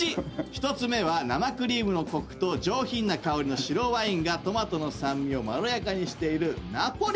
１つ目は生クリームのコクと上品な香りの白ワインがトマトの酸味をまろやかにしている。